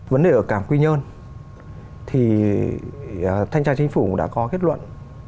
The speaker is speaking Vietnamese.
vấn đề ở cảng quy nhơn thì thanh tra chính phủ đã có kết luận